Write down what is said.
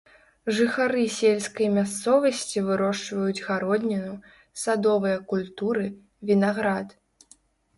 Жыхары сельскай мясцовасці вырошчваюць гародніну, садовыя культуры, вінаград.